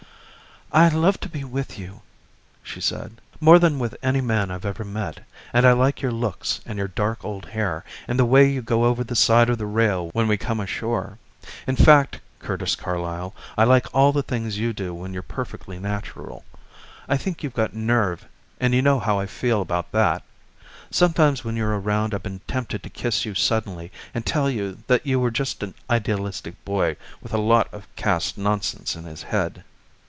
"I love to be with you," she said, "more than with any man I've ever met. And I like your looks and your dark old hair, and the way you go over the side of the rail when we come ashore. In fact, Curtis Carlyle, I like all the things you do when you're perfectly natural. I think you've got nerve and you know how I feel about that. Sometimes when you're around I've been tempted to kiss you suddenly and tell you that you were just an idealistic boy with a lot of caste nonsense in his head.